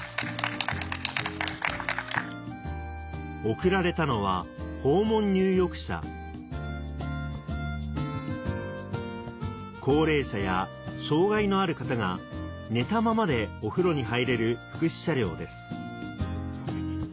贈られたのは高齢者や障がいのある方が寝たままでお風呂に入れる福祉車両です